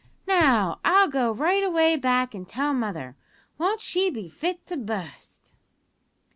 Now, I'll go right away back an' tell mother. Won't she be fit to bu'st?"